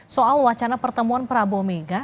soal wacana pertemuan prabowo mega